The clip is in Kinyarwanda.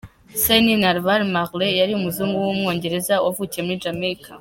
Se ni Narval Marley, yari umuzungu w’Umwongereza wavukiye muri Jamaica.